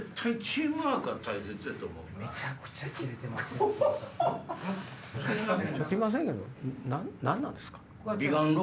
すいませんけど何なんですか？